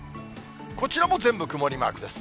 こちらも全部曇りマークです。